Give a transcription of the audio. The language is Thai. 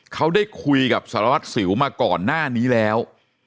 เขาได้คุยกับสารวัตรสิวมาก่อนหน้านี้แล้ว